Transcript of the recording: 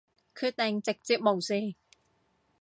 決定直接無視